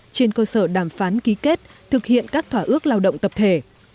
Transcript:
trên cơ sở đàm phán ký kết thực hiện các thỏa ước lao động tập thể